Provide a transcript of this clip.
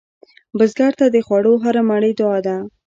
بزګر ته د خوړو هره مړۍ دعا ده